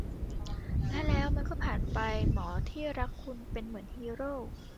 และแล้วมันก็ผ่านไป หมอที่รักคุณเป็นเหมือนฮีโร่